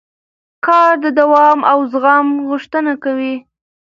کار د دوام او زغم غوښتنه کوي